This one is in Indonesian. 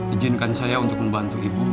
ijinkan saya untuk membantu ibu